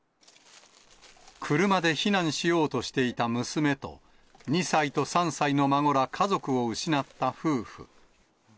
車で避難しようとしていた娘と、２歳と３歳の孫ら家族を失った夫婦。